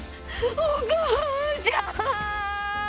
お母ちゃん！